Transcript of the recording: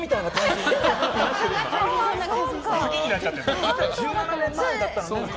実は１７年前だったの。